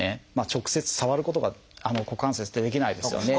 直接触ることが股関節ってできないですよね。